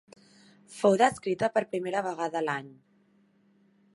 Fou descrita per primera vegada l'any.